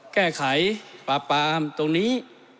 แก้ไขป่าปาล์มตรงนี้